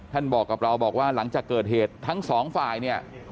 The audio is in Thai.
ท่านบอกว่าหลังจากเกิดเหตุทั้งสองฝ่าย